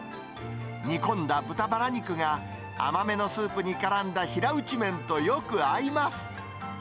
煮込んだ豚バラ肉が、甘めのスープにからんだ平打ち麺とよく合います。